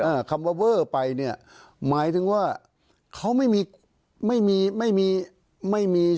คำว่าเวอร์ไปเนี่ยหมายถึงว่าเขาไม่มีไม่มีไม่มี